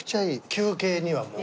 休憩にはもう。